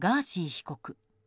被告。